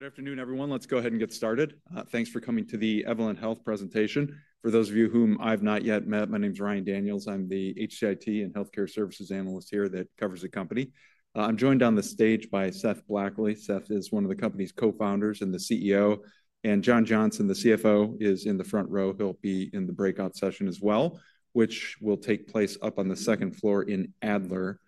Good afternoon, everyone. Let's go ahead and get started. Thanks for coming to the Evolent Health presentation. For those of you whom I've not yet met, my name is Ryan Daniels. I'm the HCIT and Healthcare Services Analyst here that covers the company. I'm joined on the stage by Seth Blackley. Seth is one of the company's co-founders and the CEO, and John Johnson, the CFO, is in the front row. He'll be in the breakout session as well, which will take place up on the second floor in Adler.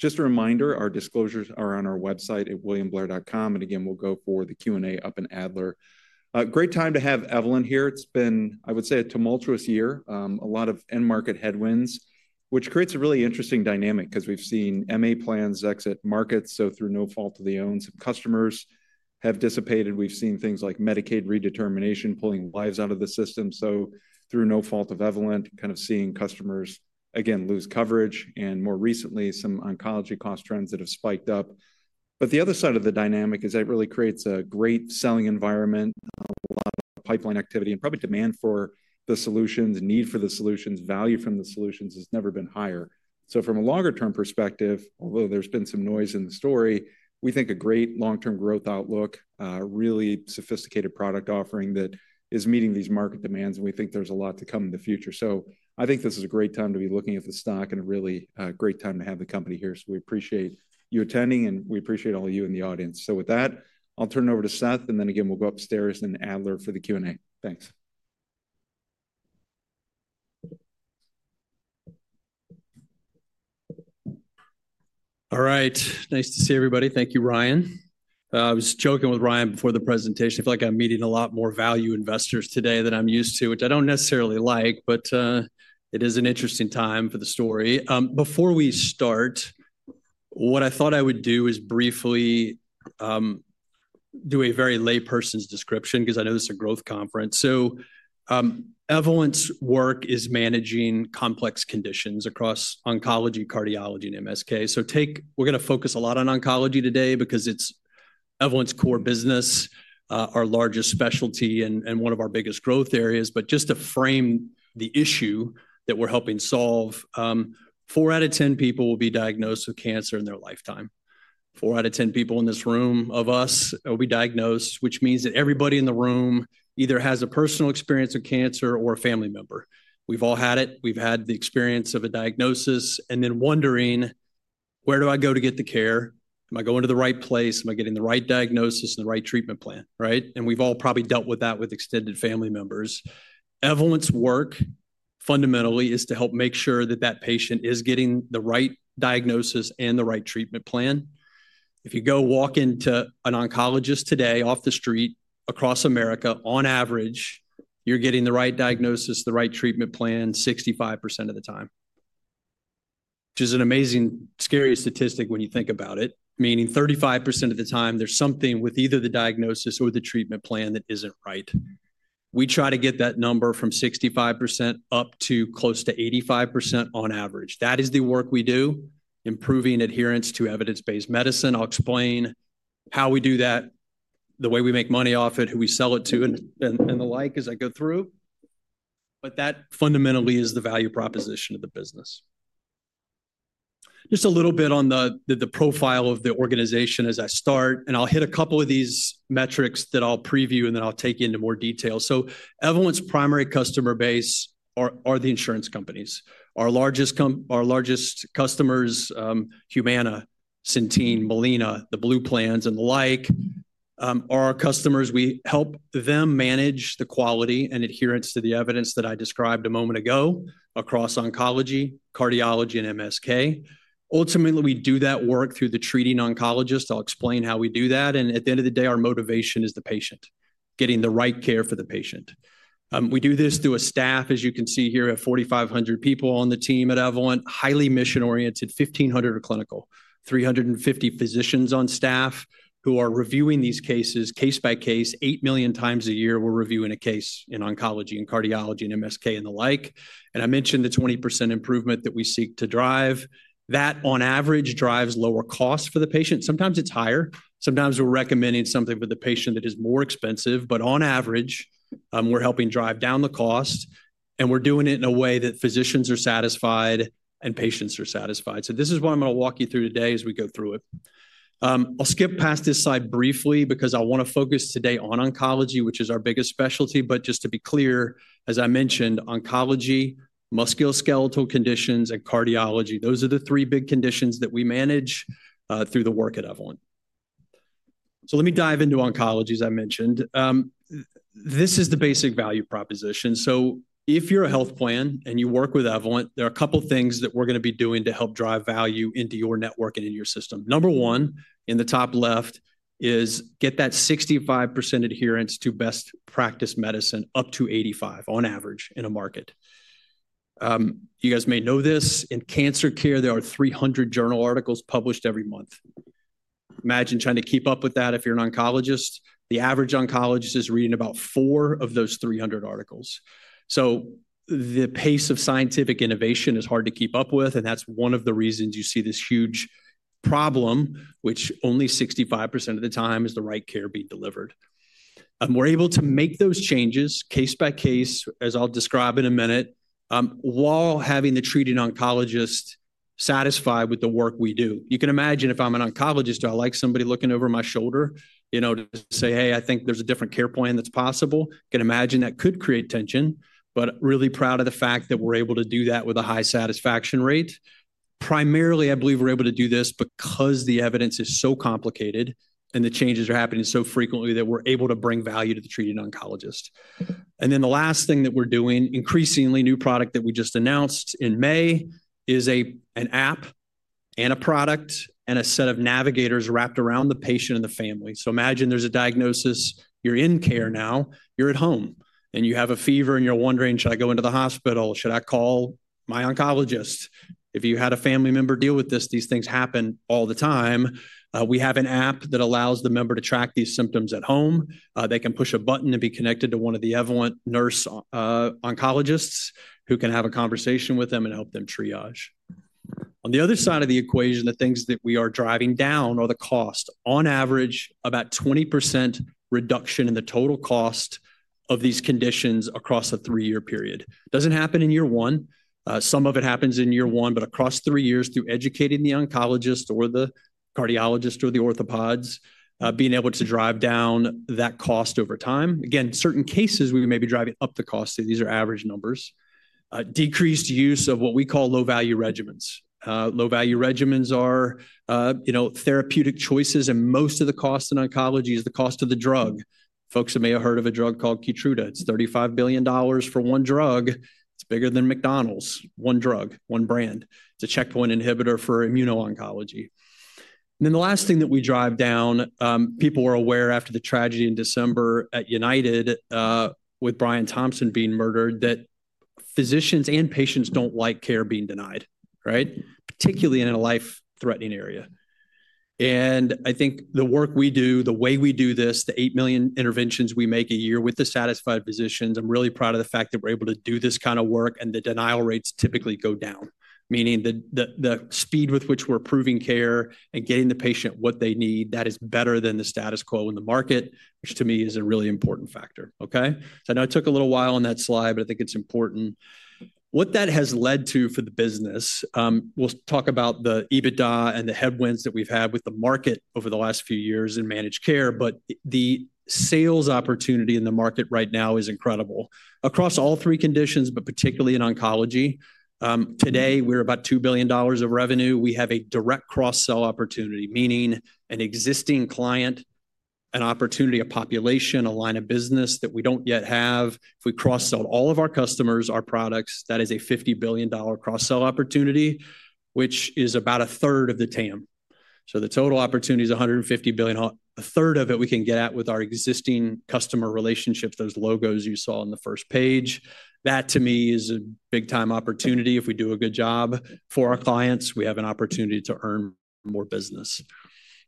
Just a reminder, our disclosures are on our website at williamblair.com, and again, we'll go for the Q&A up in Adler. Great time to have Evolent here. It's been, I would say, a tumultuous year. A lot of end market headwinds, which creates a really interesting dynamic because we've seen MA plans exit markets. Through no fault of their own, some customers have dissipated. We've seen things like Medicaid redetermination pulling lives out of the system. Through no fault of Evolent, kind of seeing customers again lose coverage, and more recently, some oncology cost trends that have spiked up. The other side of the dynamic is that it really creates a great selling environment, a lot of pipeline activity, and probably demand for the solutions, need for the solutions, value from the solutions has never been higher. From a longer-term perspective, although there's been some noise in the story, we think a great long-term growth outlook, really sophisticated product offering that is meeting these market demands, and we think there's a lot to come in the future. I think this is a great time to be looking at the stock and a really great time to have the company here. We appreciate you attending, and we appreciate all of you in the audience. With that, I'll turn it over to Seth, and then again, we'll go upstairs in Adler for the Q&A. Thanks. All right. Nice to see everybody. Thank you, Ryan. I was joking with Ryan before the presentation. I feel like I'm meeting a lot more value investors today than I'm used to, which I don't necessarily like, but it is an interesting time for the story. Before we start, what I thought I would do is briefly do a very layperson's description because I know this is a growth conference. Evolent's work is managing complex conditions across oncology, cardiology, and MSK. We're going to focus a lot on oncology today because it's Evolent's core business, our largest specialty, and one of our biggest growth areas. Just to frame the issue that we're helping solve, four out of ten people will be diagnosed with cancer in their lifetime. Four out of ten people in this room of us will be diagnosed, which means that everybody in the room either has a personal experience of cancer or a family member. We have all had it. We have had the experience of a diagnosis, and then wondering, where do I go to get the care? Am I going to the right place? Am I getting the right diagnosis and the right treatment plan? Right? We have all probably dealt with that with extended family members. Evolent's work fundamentally is to help make sure that that patient is getting the right diagnosis and the right treatment plan. If you go walk into an oncologist today off the street across America, on average, you're getting the right diagnosis, the right treatment plan 65% of the time, which is an amazingly scary statistic when you think about it, meaning 35% of the time there's something with either the diagnosis or the treatment plan that isn't right. We try to get that number from 65% up to close to 85% on average. That is the work we do, improving adherence to evidence-based medicine. I'll explain how we do that, the way we make money off it, who we sell it to, and the like as I go through. That fundamentally is the value proposition of the business. Just a little bit on the profile of the organization as I start, and I'll hit a couple of these metrics that I'll preview, and then I'll take you into more detail. Evolent's primary customer base are the insurance companies. Our largest customers, Humana, Centene, Molina, the Blue Plans, and the like, are our customers. We help them manage the quality and adherence to the evidence that I described a moment ago across oncology, cardiology, and MSK. Ultimately, we do that work through the treating oncologist. I'll explain how we do that. At the end of the day, our motivation is the patient, getting the right care for the patient. We do this through a staff, as you can see here, of 4,500 people on the team at Evolent, highly mission-oriented, 1,500 are clinical, 350 physicians on staff who are reviewing these cases case by case. Eight million times a year, we're reviewing a case in oncology and cardiology and MSK and the like. I mentioned the 20% improvement that we seek to drive. That, on average, drives lower costs for the patient. Sometimes it's higher. Sometimes we're recommending something for the patient that is more expensive. On average, we're helping drive down the cost, and we're doing it in a way that physicians are satisfied and patients are satisfied. This is what I'm going to walk you through today as we go through it. I'll skip past this slide briefly because I want to focus today on oncology, which is our biggest specialty. Just to be clear, as I mentioned, oncology, musculoskeletal conditions, and cardiology, those are the three big conditions that we manage through the work at Evolent. Let me dive into oncology, as I mentioned. This is the basic value proposition. If you're a health plan and you work with Evolent, there are a couple of things that we're going to be doing to help drive value into your network and in your system. Number one, in the top left is get that 65% adherence to best practice medicine up to 85% on average in a market. You guys may know this. In cancer care, there are 300 journal articles published every month. Imagine trying to keep up with that if you're an oncologist. The average oncologist is reading about four of those 300 articles. The pace of scientific innovation is hard to keep up with, and that's one of the reasons you see this huge problem, which only 65% of the time is the right care being delivered. We're able to make those changes case by case, as I'll describe in a minute, while having the treating oncologist satisfied with the work we do. You can imagine if I'm an oncologist or I like somebody looking over my shoulder, you know, to say, "Hey, I think there's a different care plan that's possible." You can imagine that could create tension, but really proud of the fact that we're able to do that with a high satisfaction rate. Primarily, I believe we're able to do this because the evidence is so complicated and the changes are happening so frequently that we're able to bring value to the treating oncologist. The last thing that we're doing, increasingly new product that we just announced in May, is an app and a product and a set of navigators wrapped around the patient and the family. Imagine there's a diagnosis. You're in care now. You're at home, and you have a fever, and you're wondering, "Should I go into the hospital? Should I call my oncologist?" If you had a family member deal with this, these things happen all the time. We have an app that allows the member to track these symptoms at home. They can push a button and be connected to one of the Evolent nurse oncologists who can have a conversation with them and help them triage. On the other side of the equation, the things that we are driving down are the cost. On average, about 20% reduction in the total cost of these conditions across a three-year period. Doesn't happen in year one. Some of it happens in year one, but across three years, through educating the oncologist or the cardiologist or the orthopods, being able to drive down that cost over time. Again, certain cases, we may be driving up the cost. These are average numbers. Decreased use of what we call low-value regimens. Low-value regimens are therapeutic choices, and most of the cost in oncology is the cost of the drug. Folks may have heard of a drug called Keytruda. It's $35 billion for one drug. It's bigger than McDonald's. One drug, one brand. It's a checkpoint inhibitor for immuno-oncology. The last thing that we drive down, people were aware after the tragedy in December at United with Brian Thompson being murdered that physicians and patients don't like care being denied, right? Particularly in a life-threatening area. I think the work we do, the way we do this, the 8 million interventions we make a year with the satisfied physicians, I'm really proud of the fact that we're able to do this kind of work, and the denial rates typically go down, meaning the speed with which we're approving care and getting the patient what they need, that is better than the status quo in the market, which to me is a really important factor. Okay? I know it took a little while on that slide, but I think it's important. What that has led to for the business, we'll talk about the EBITDA and the headwinds that we've had with the market over the last few years in managed care, but the sales opportunity in the market right now is incredible. Across all three conditions, but particularly in oncology, today we're about $2 billion of revenue. We have a direct cross-sell opportunity, meaning an existing client, an opportunity, a population, a line of business that we don't yet have. If we cross-sell all of our customers our products, that is a $50 billion cross-sell opportunity, which is about a third of the TAM. The total opportunity is $150 billion. A third of it we can get out with our existing customer relationships, those logos you saw on the first page. That, to me, is a big-time opportunity. If we do a good job for our clients, we have an opportunity to earn more business.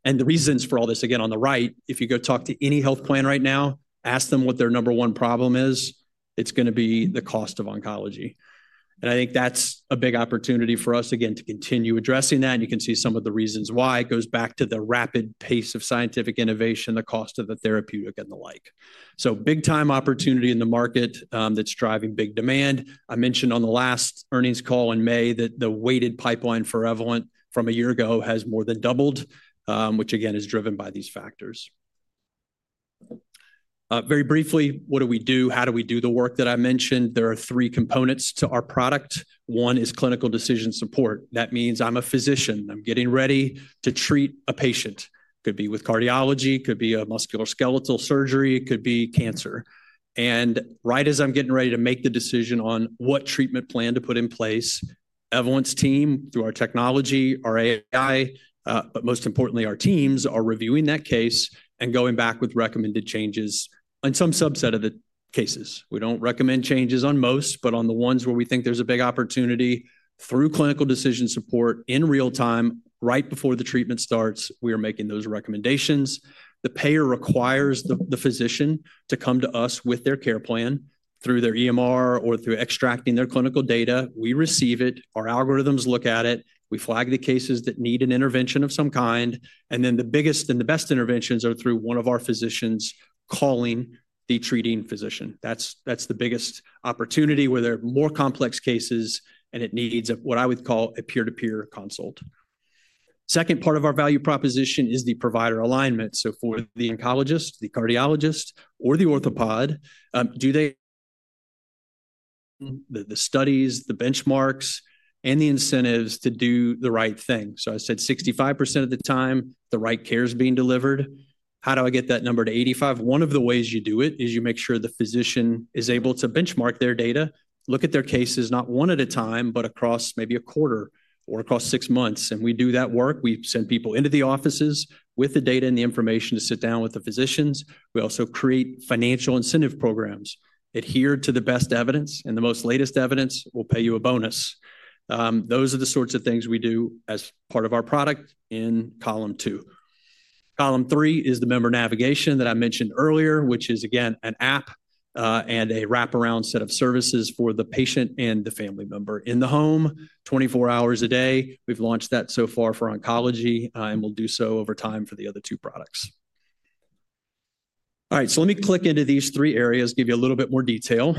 The reasons for all this, again, on the right, if you go talk to any health plan right now, ask them what their number one problem is, it's going to be the cost of oncology. I think that's a big opportunity for us, again, to continue addressing that. You can see some of the reasons why. It goes back to the rapid pace of scientific innovation, the cost of the therapeutic, and the like. Big-time opportunity in the market that's driving big demand. I mentioned on the last earnings call in May that the weighted pipeline for Evolent from a year ago has more than doubled, which again is driven by these factors. Very briefly, what do we do? How do we do the work that I mentioned? There are three components to our product. One is clinical decision support. That means I'm a physician. I'm getting ready to treat a patient. Could be with cardiology, could be a musculoskeletal surgery, could be cancer. Right as I'm getting ready to make the decision on what treatment plan to put in place, Evolent's team, through our technology, our AI, but most importantly, our teams are reviewing that case and going back with recommended changes on some subset of the cases. We do not recommend changes on most, but on the ones where we think there's a big opportunity, through clinical decision support in real time, right before the treatment starts, we are making those recommendations. The payer requires the physician to come to us with their care plan through their EMR or through extracting their clinical data. We receive it. Our algorithms look at it. We flag the cases that need an intervention of some kind. The biggest and the best interventions are through one of our physicians calling the treating physician. That's the biggest opportunity where there are more complex cases and it needs what I would call a peer-to-peer consult. Second part of our value proposition is the provider alignment. For the oncologist, the cardiologist, or the orthopod, do they have the studies, the benchmarks, and the incentives to do the right thing? I said 65% of the time, the right care is being delivered. How do I get that number to 85%? One of the ways you do it is you make sure the physician is able to benchmark their data, look at their cases, not one at a time, but across maybe a quarter or across six months. We do that work. We send people into the offices with the data and the information to sit down with the physicians. We also create financial incentive programs. Adhere to the best evidence, and the most latest evidence will pay you a bonus. Those are the sorts of things we do as part of our product in column two. Column three is the member navigation that I mentioned earlier, which is, again, an app and a wraparound set of services for the patient and the family member in the home 24 hours a day. We've launched that so far for oncology, and we'll do so over time for the other two products. All right. Let me click into these three areas, give you a little bit more detail.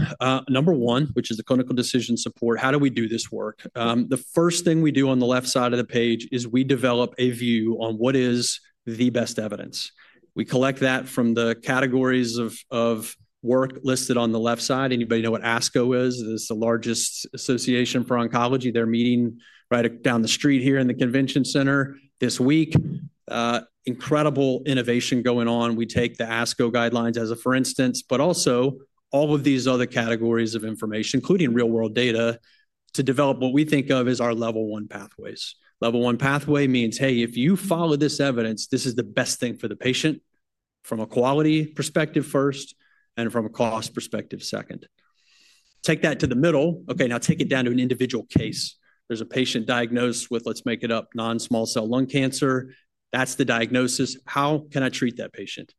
Number one, which is the clinical decision support, how do we do this work? The first thing we do on the left side of the page is we develop a view on what is the best evidence. We collect that from the categories of work listed on the left side. Anybody know what ASCO is? It's the largest association for oncology. They're meeting right down the street here in the convention center this week. Incredible innovation going on. We take the ASCO guidelines as a for instance, but also all of these other categories of information, including real-world data, to develop what we think of as our level one pathways. Level one pathway means, "Hey, if you follow this evidence, this is the best thing for the patient from a quality perspective first and from a cost perspective second." Take that to the middle. Okay. Now take it down to an individual case. There's a patient diagnosed with, let's make it up, non-small cell lung cancer. That's the diagnosis. How can I treat that patient?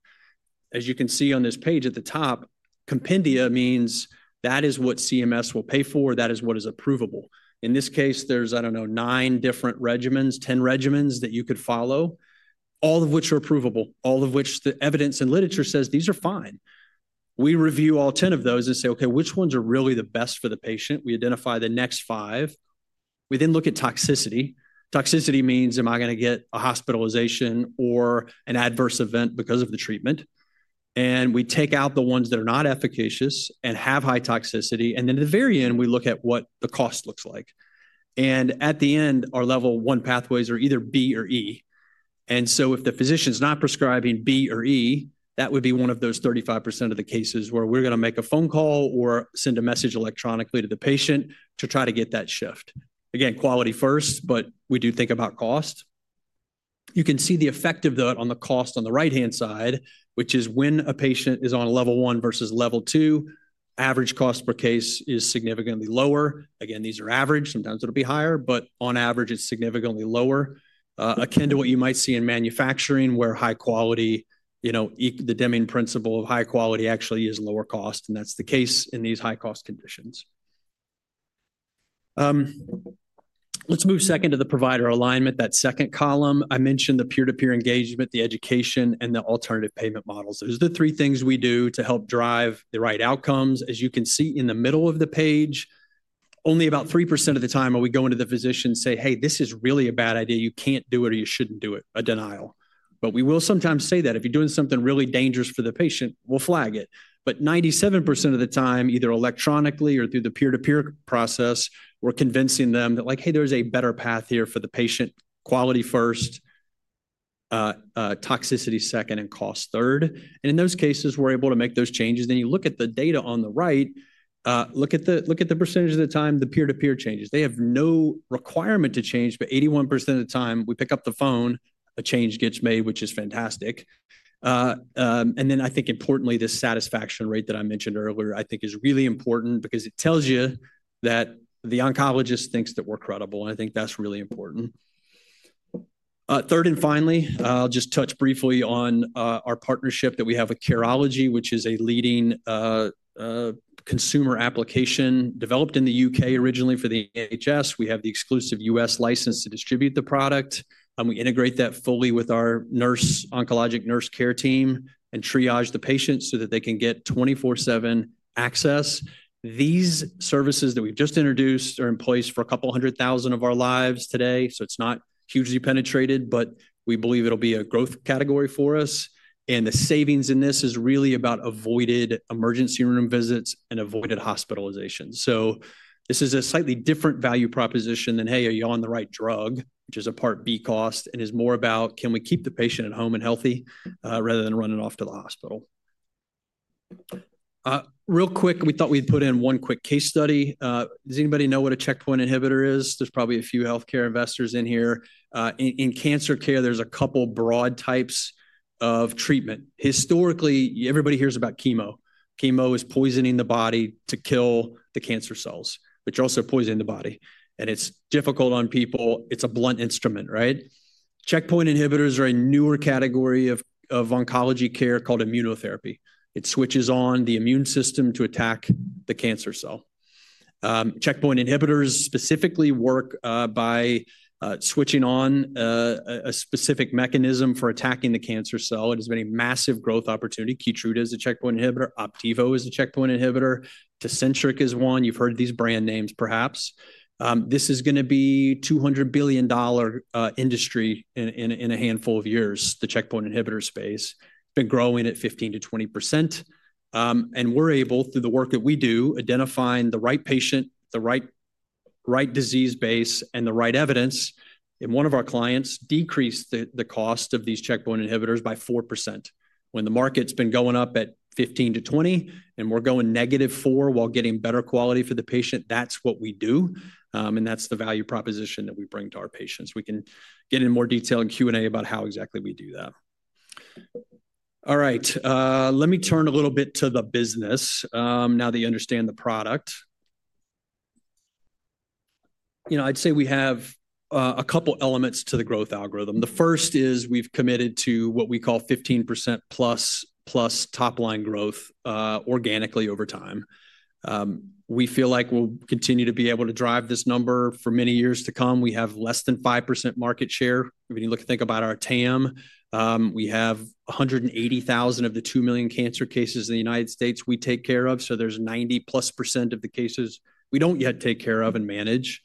As you can see on this page at the top, compendia means that is what CMS will pay for. That is what is approvable. In this case, there's, I don't know, nine different regimens, 10 regimens that you could follow, all of which are approvable, all of which the evidence and literature says these are fine. We review all 10 of those and say, "Okay, which ones are really the best for the patient?" We identify the next five. We then look at toxicity. Toxicity means, am I going to get a hospitalization or an adverse event because of the treatment? We take out the ones that are not efficacious and have high toxicity. At the very end, we look at what the cost looks like. At the end, our level one pathways are either B or E. If the physician's not prescribing B or E, that would be one of those 35% of the cases where we're going to make a phone call or send a message electronically to the patient to try to get that shift. Again, quality first, but we do think about cost. You can see the effect of that on the cost on the right-hand side, which is when a patient is on level one versus level two, average cost per case is significantly lower. Again, these are average. Sometimes it'll be higher, but on average, it's significantly lower. Akin to what you might see in manufacturing, where high quality, the Deming principle of high quality actually is lower cost. That's the case in these high-cost conditions. Let's move second to the provider alignment, that second column. I mentioned the peer-to-peer engagement, the education, and the alternative payment models. Those are the three things we do to help drive the right outcomes. As you can see in the middle of the page, only about 3% of the time are we going to the physician and say, "Hey, this is really a bad idea. You can't do it or you shouldn't do it," a denial. We will sometimes say that if you're doing something really dangerous for the patient, we'll flag it. 97% of the time, either electronically or through the peer-to-peer process, we're convincing them that, like, "Hey, there's a better path here for the patient, quality first, toxicity second, and cost third." In those cases, we're able to make those changes. You look at the data on the right, look at the percentage of the time the peer-to-peer changes. They have no requirement to change, but 81% of the time, we pick up the phone, a change gets made, which is fantastic. I think, importantly, this satisfaction rate that I mentioned earlier, I think, is really important because it tells you that the oncologist thinks that we're credible. I think that's really important. Third and finally, I'll just touch briefly on our partnership that we have with Careology, which is a leading consumer application developed in the U.K. originally for the National Health Service. We have the exclusive U.S. license to distribute the product. We integrate that fully with our oncologic nurse care team and triage the patients so that they can get 24/7 access. These services that we've just introduced are in place for a couple hundred thousand of our lives today. It's not hugely penetrated, but we believe it'll be a growth category for us. The savings in this is really about avoided emergency room visits and avoided hospitalizations. This is a slightly different value proposition than, "Hey, are you on the right drug?" which is a part B cost and is more about, can we keep the patient at home and healthy rather than running off to the hospital? Real quick, we thought we'd put in one quick case study. Does anybody know what a checkpoint inhibitor is? There's probably a few healthcare investors in here. In cancer care, there's a couple broad types of treatment. Historically, everybody hears about chemo. Chemo is poisoning the body to kill the cancer cells, which also poison the body. It's difficult on people. It's a blunt instrument, right? Checkpoint inhibitors are a newer category of oncology care called immunotherapy. It switches on the immune system to attack the cancer cell. Checkpoint inhibitors specifically work by switching on a specific mechanism for attacking the cancer cell. It has been a massive growth opportunity. Keytruda is a checkpoint inhibitor. Opdivo is a checkpoint inhibitor. Tecentriq is one. You've heard these brand names, perhaps. This is going to be a $200 billion industry in a handful of years, the checkpoint inhibitor space. It's been growing at 15%-20%. We are able, through the work that we do, identifying the right patient, the right disease base, and the right evidence, in one of our clients, to decrease the cost of these checkpoint inhibitors by 4%. When the market's been going up at 15%-20% and we are going negative 4% while getting better quality for the patient, that's what we do. That's the value proposition that we bring to our patients. We can get in more detail in Q&A about how exactly we do that. All right. Let me turn a little bit to the business. Now that you understand the product, I'd say we have a couple elements to the growth algorithm. The first is we've committed to what we call 15%+ top-line growth organically over time. We feel like we'll continue to be able to drive this number for many years to come. We have less than 5% market share. If you look at, think about our TAM, we have 180,000 of the 2 million cancer cases in the United States we take care of. There is 90%+ of the cases we do not yet take care of and manage.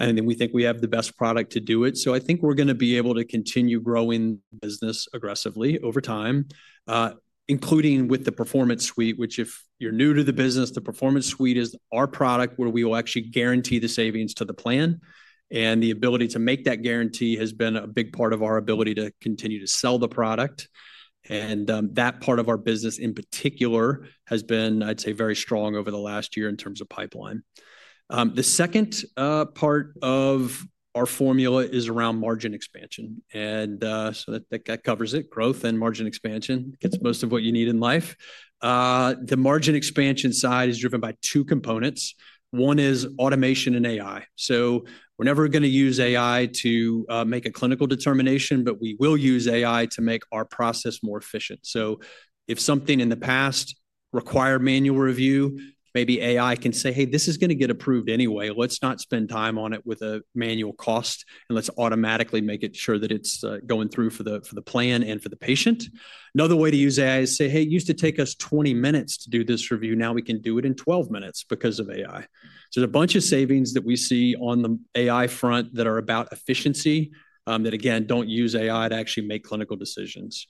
We think we have the best product to do it. I think we're going to be able to continue growing the business aggressively over time, including with the Performance Suite, which if you're new to the business, the Performance Suite is our product where we will actually guarantee the savings to the plan. The ability to make that guarantee has been a big part of our ability to continue to sell the product. That part of our business in particular has been, I'd say, very strong over the last year in terms of pipeline. The second part of our formula is around margin expansion. I think that covers it. Growth and margin expansion gets most of what you need in life. The margin expansion side is driven by two components. One is automation and AI. We're never going to use AI to make a clinical determination, but we will use AI to make our process more efficient. If something in the past required manual review, maybe AI can say, "Hey, this is going to get approved anyway. Let's not spend time on it with a manual cost, and let's automatically make it sure that it's going through for the plan and for the patient." Another way to use AI is to say, "Hey, it used to take us 20 minutes to do this review. Now we can do it in 12 minutes because of AI." There is a bunch of savings that we see on the AI front that are about efficiency that, again, do not use AI to actually make clinical decisions.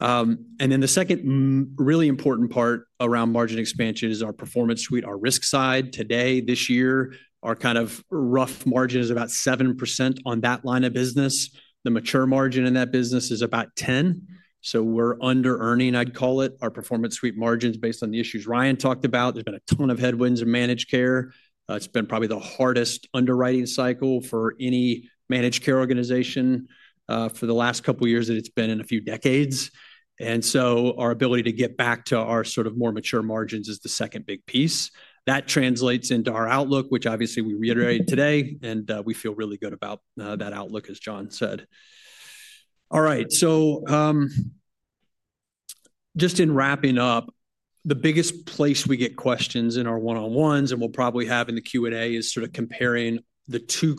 The second really important part around margin expansion is our Performance Suite, our risk side. Today, this year, our kind of rough margin is about 7% on that line of business. The mature margin in that business is about 10%. So, we're under-earning, I'd call it, our Performance Suite margins based on the issues Ryan talked about. There's been a ton of headwinds in managed care. It's been probably the hardest underwriting cycle for any managed care organization for the last couple of years that it's been in a few decades. Our ability to get back to our sort of more mature margins is the second big piece. That translates into our outlook, which obviously we reiterated today, and we feel really good about that outlook, as John said. All right. Just in wrapping up, the biggest place we get questions in our one-on-ones, and we'll probably have in the Q&A, is sort of comparing the two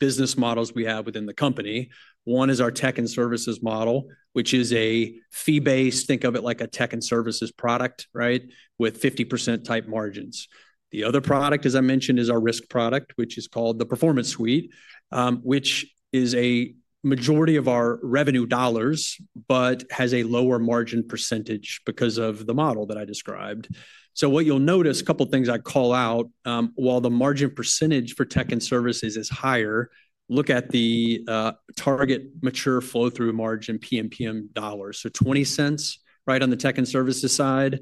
business models we have within the company. One is our tech and services model, which is a fee-based—think of it like a tech and services product, right?—with 50% type margins. The other product, as I mentioned, is our risk product, which is called the Performance Suite, which is a majority of our revenue dollars but has a lower margin percentage because of the model that I described. What you'll notice, a couple of things I call out, while the margin percentage for tech and services is higher, look at the target mature flow-through margin PMPM dollars. Twenty cents right on the tech and services side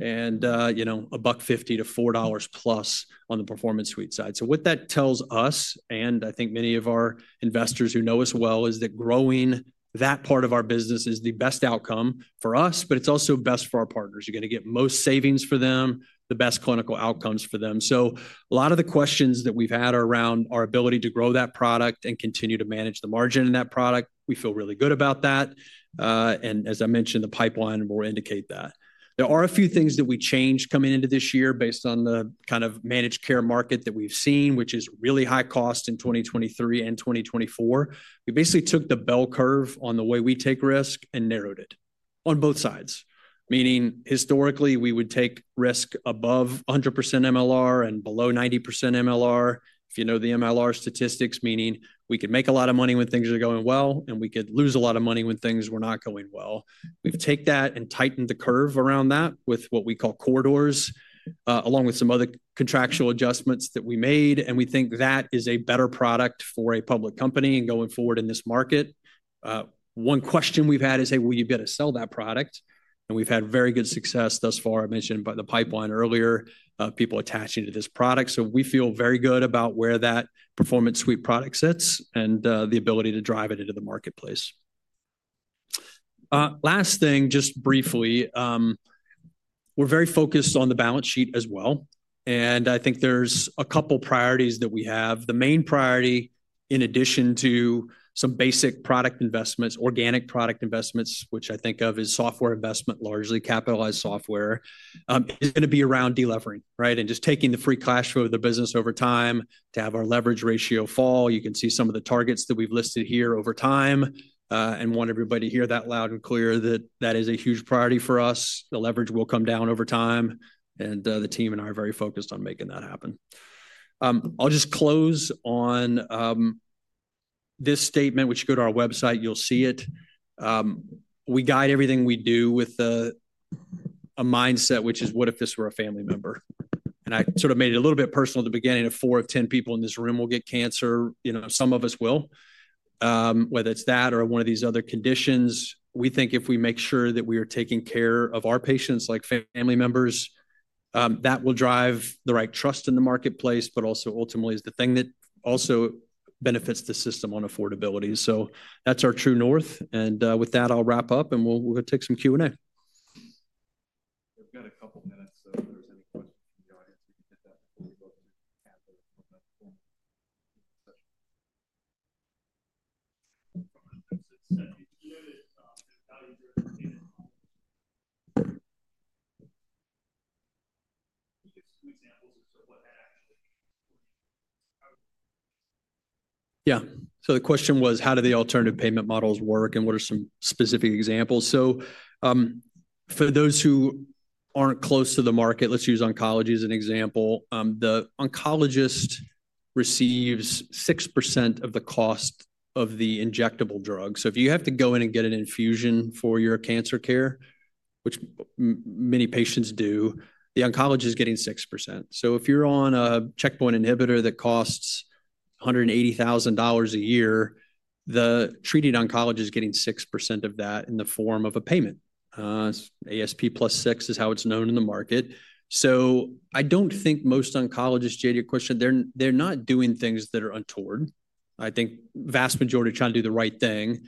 and a buck fifty to $4 plus on the Performance Suite side. What that tells us, and I think many of our investors who know us well, is that growing that part of our business is the best outcome for us, but it's also best for our partners. You're going to get most savings for them, the best clinical outcomes for them. A lot of the questions that we've had around our ability to grow that product and continue to manage the margin in that product, we feel really good about that. As I mentioned, the pipeline will indicate that. There are a few things that we changed coming into this year based on the kind of managed care market that we've seen, which is really high cost in 2023 and 2024. We basically took the bell curve on the way we take risk and narrowed it on both sides. Meaning, historically, we would take risk above 100% MLR and below 90% MLR, if you know the MLR statistics, meaning we could make a lot of money when things are going well, and we could lose a lot of money when things were not going well. We would take that and tighten the curve around that with what we call corridors, along with some other contractual adjustments that we made. We think that is a better product for a public company and going forward in this market. One question we've had is, "Hey, will you be able to sell that product?" We've had very good success thus far. I mentioned about the pipeline earlier, people attaching to this product. We feel very good about where that Performance Suite product sits and the ability to drive it into the marketplace. Last thing, just briefly, we're very focused on the balance sheet as well. I think there's a couple priorities that we have. The main priority, in addition to some basic product investments, organic product investments, which I think of as software investment, largely capitalized software, is going to be around delivering, right? Just taking the free cash flow of the business over time to have our leverage ratio fall. You can see some of the targets that we've listed here over time. I want everybody to hear that loud and clear that that is a huge priority for us. The leverage will come down over time. The team and I are very focused on making that happen. I'll just close on this statement, which you go to our website, you'll see it. We guide everything we do with a mindset, which is, "What if this were a family member?" I sort of made it a little bit personal at the beginning. Four of ten people in this room will get cancer. Some of us will. Whether it is that or one of these other conditions, we think if we make sure that we are taking care of our patients like family members, that will drive the right trust in the marketplace, but also ultimately is the thing that also benefits the system on affordability. That is our true north. With that, I will wrap up, and we will take some Q&A. We've got a couple minutes. If there's any questions from the audience, we can get that before we go to Kathy from the Performance Suite. Yeah. The question was, how do the alternative payment models work, and what are some specific examples? For those who aren't close to the market, let's use oncology as an example. The oncologist receives 6% of the cost of the injectable drug. If you have to go in and get an infusion for your cancer care, which many patients do, the oncologist is getting 6%. If you're on a checkpoint inhibitor that costs $180,000 a year, the treating oncologist is getting 6% of that in the form of a payment. ASP plus 6 is how it's known in the market. I don't think most oncologists—J, your question—they're not doing things that are untoward. I think the vast majority are trying to do the right thing.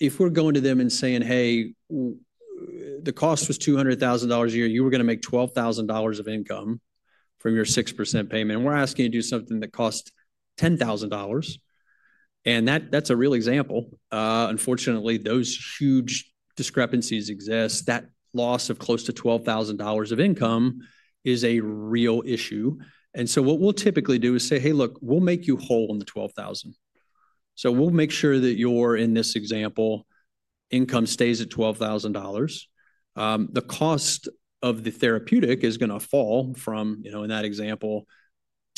If we're going to them and saying, "Hey, the cost was $200,000 a year. You were going to make $12,000 of income from your 6% payment, and we're asking you to do something that costs $10,000," and that's a real example. Unfortunately, those huge discrepancies exist. That loss of close to $12,000 of income is a real issue. What we'll typically do is say, "Hey, look, we'll make you whole in the $12,000." We'll make sure that your, in this example, income stays at $12,000. The cost of the therapeutic is going to fall from, in that example,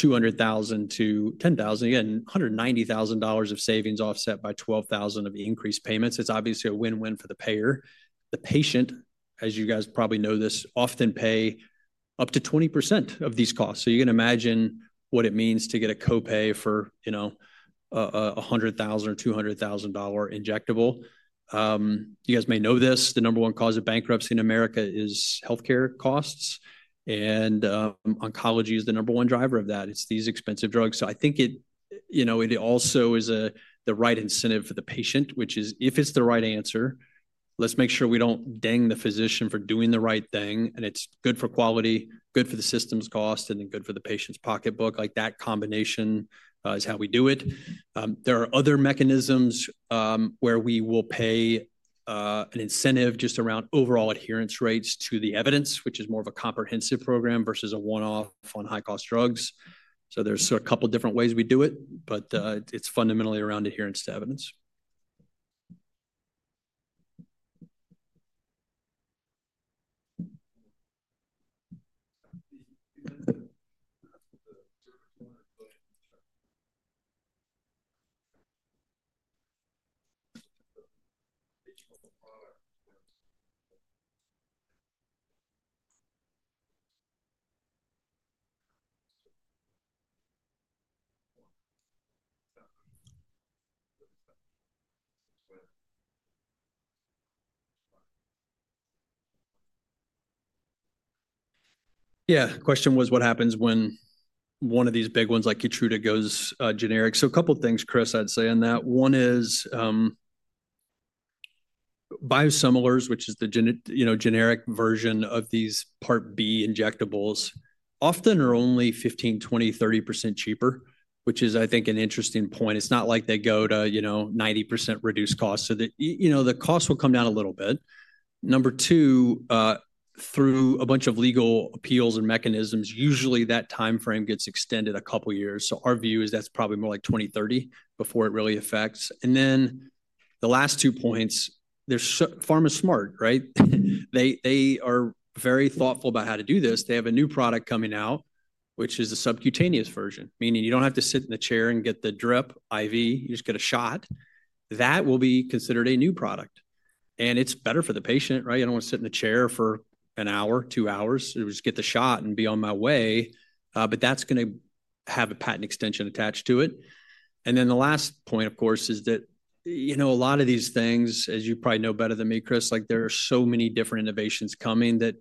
$200,000-$10,000. Again, $190,000 of savings offset by $12,000 of increased payments. It's obviously a win-win for the payer. The patient, as you guys probably know this, often pays up to 20% of these costs. You can imagine what it means to get a copay for a $100,000 or $200,000 injectable. You guys may know this. The number one cause of bankruptcy in America is healthcare costs. Oncology is the number one driver of that. It's these expensive drugs. I think it also is the right incentive for the patient, which is, if it's the right answer, let's make sure we don't ding the physician for doing the right thing. It's good for quality, good for the system's cost, and then good for the patient's pocketbook. That combination is how we do it. There are other mechanisms where we will pay an incentive just around overall adherence rates to the evidence, which is more of a comprehensive program versus a one-off on high-cost drugs. There are a couple of different ways we do it, but it's fundamentally around adherence to evidence. Yeah. The question was, what happens when one of these big ones like Keytruda goes generic? A couple of things, Chris, I'd say on that. One is biosimilars, which is the generic version of these part B injectables, often are only 15%-20%-30% cheaper, which is, I think, an interesting point. It's not like they go to 90% reduced cost. The cost will come down a little bit. Number two, through a bunch of legal appeals and mechanisms, usually that timeframe gets extended a couple of years. Our view is that's probably more like 2030 before it really affects. The last two points, pharma's smart, right? They are very thoughtful about how to do this. They have a new product coming out, which is a subcutaneous version, meaning you don't have to sit in the chair and get the drip IV. You just get a shot. That will be considered a new product. It is better for the patient, right? I do not want to sit in the chair for an hour, two hours. I will just get the shot and be on my way. That is going to have a patent extension attached to it. The last point, of course, is that a lot of these things, as you probably know better than me, Chris, there are so many different innovations coming that,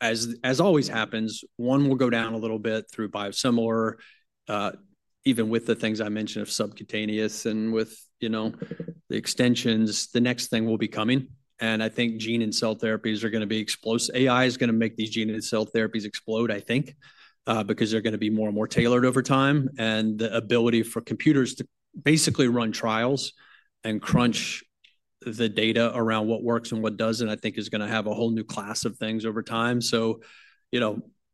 as always happens, one will go down a little bit through biosimilar, even with the things I mentioned of subcutaneous and with the extensions. The next thing will be coming. I think gene and cell therapies are going to be explosive. AI is going to make these gene and cell therapies explode, I think, because they are going to be more and more tailored over time. The ability for computers to basically run trials and crunch the data around what works and what does not, I think, is going to have a whole new class of things over time.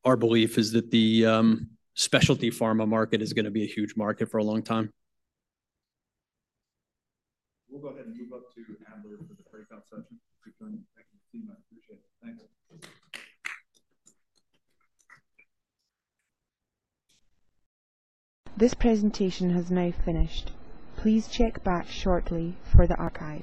Our belief is that the specialty pharma market is going to be a huge market for a long time. We'll go ahead and move up to Amber for the breakout session. Thank you, team. I appreciate it. Thanks. This presentation has now finished. Please check back shortly for the archive.